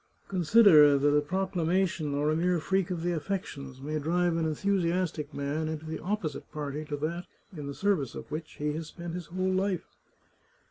" Consider that a proclamation, or a mere freak of the affections, may drive an enthusiastic man into the opposite party to that in the service of which he has spent his whole life."